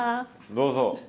どうぞ。